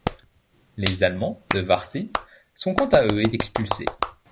Les Allemands de Varzin sont quant à eux expulsés.